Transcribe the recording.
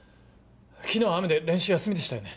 昨日は雨で練習休みでしたよね？